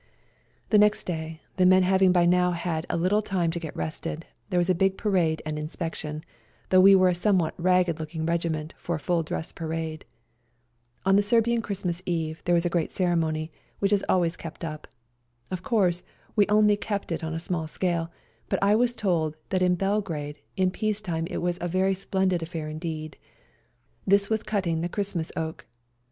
The next day, the men having by now had a little time to get rested, there was a big parade and inspection, though we were a somewhat ragged looking regiment for a full dress parade. On the Serbian Christmas Eve there was a great ceremony, which is always 176 SERBIAN CHRISTMAS DAY kept up. Of course, we only kept it on a small scale, bu^ I was told that in Bel grade in peace time it was a very splendid affair indeed. This was cutting the Christ mas oak.